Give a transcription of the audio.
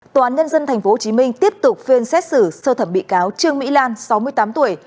tòa án nhân dân tp hcm tiếp tục phiên xét xử sơ thẩm bị cáo trương mỹ lan sáu mươi tám tuổi